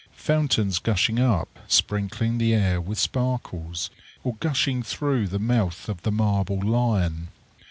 Fountains gushing up, sprinkling the air with sparkles, or gushing through the mouth of the marble lion.